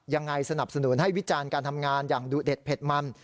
สนับสนุนให้วิจารณ์การทำงานอย่างดุเด็ดเผ็ดมัน